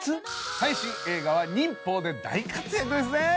最新映画は忍法で大活躍ですね。